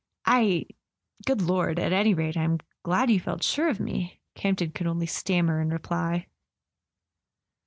"I ... good Lord ... at any rate I'm glad you felt sure of me," Campton could only stammer in reply.